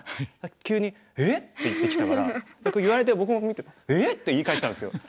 急に「えっ？」って言ってきたから僕言われて僕も見て「えっ？」って言い返したんですよ。